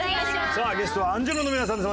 さあゲストはアンジュルムの皆さんです。